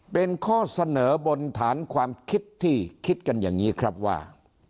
เป็นข้อเสนอบนฐานความคิดที่คิดกันอย่างนี้ครับว่า